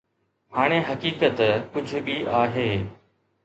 هاڻي حقيقت ڪجهه ٻي آهي.